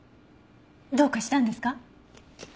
どうかしたんですか？